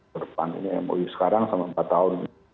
ke depannya mou sekarang sama empat tahun